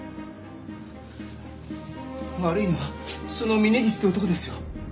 悪いのはその峰岸って男ですよ。